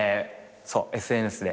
そうＳＮＳで。